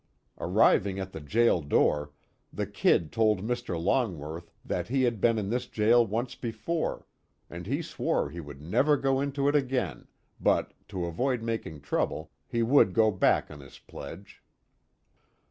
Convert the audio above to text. Arriving at the jail door, the "Kid" told Mr. Longworth that he had been in this jail once before, and he swore he would never go into it again, but to avoid making trouble, he would go back on his pledge.